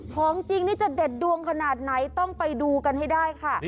ของจริงนี่จะเด็ดดวงขนาดไหนต้องไปดูกันให้ได้ค่ะ